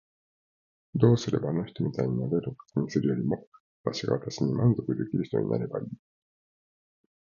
どうすればあの人みたいになれるか気にするよりも私が私に満足できる人になればいい。